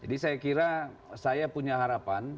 jadi saya kira saya punya harapan